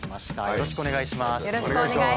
よろしくお願いします！